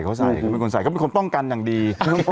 เขาใส่เขาฝึกก่อนใส่กับคนต้องกันอย่างดี